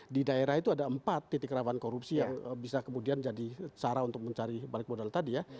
di daerah itu ada empat titik rawan korupsi yang bisa kemudian jadi cara untuk mencari balik modal tadi ya